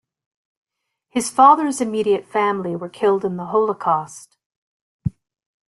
His father's immediate family were killed in the Holocaust.